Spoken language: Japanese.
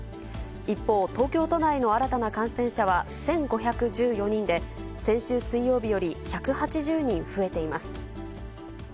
一方、東京都内の新たな感染者は１５１４人で、先週水曜日より１８０人増えています。